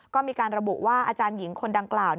ก็มีการระบุว่าอาจารย์หญิงคนดังกล่าว